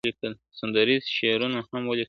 سندریز شعرونه هم ولیکل ..